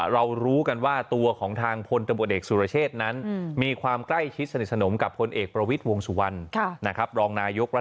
รู้กันว่าตัวของทางพลตำรวจเอกสุรเชษนั้นมีความใกล้ชิดสนิทสนมกับพลเอกประวิทย์วงสุวรรณนะครับ